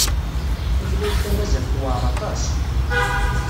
Tutlayt tamaziɣt tewɛeṛ aṭas.